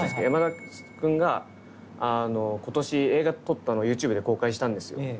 山田くんが今年映画撮ったのをＹｏｕＴｕｂｅで公開したんですよ。